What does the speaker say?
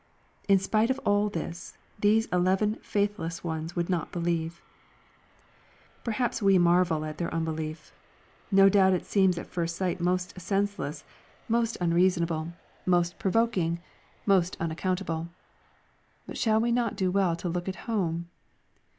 — in spite of all this, these eleven faithless ones would not believe 1 Perhaps we marvel at their unbeliefi No doubt it seems at first sight most senseless, most unreasonable. LDEE, CHAP. XXIV 493 most provoking, most unaccountable. But shall we no*; do well to look at home